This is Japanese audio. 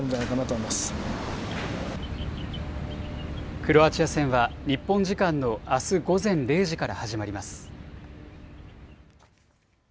クロアチア戦は日本時間のあす午前０時から始まります。